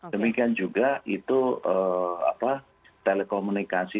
demikian juga itu telekomunikasi